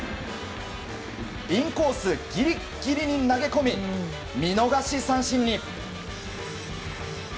インコースギリギリに投げ込み見逃し三振に！